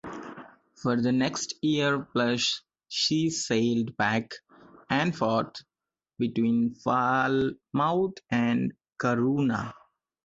For the next year plus she sailed back and forth between Falmouth and Corunna.